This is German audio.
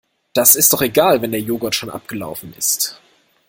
Das ist doch egal wenn der Joghurt schon abgelaufen ist.